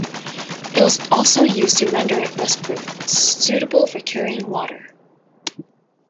It was also used to render it rustproof, suitable for carrying water.